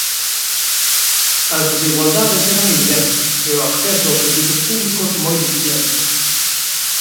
As desigualdades eran evidentes e o acceso aos servizos públicos moi deficiente.